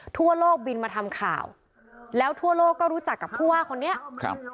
ทั่วโลกบินมาทำข่าวแล้วทั่วโลกก็รู้จักกับผู้ว่าคนนี้ครับ